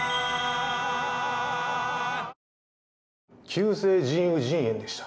急性腎盂腎炎でした。